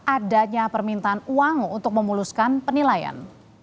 adanya permintaan uang untuk memuluskan penilaian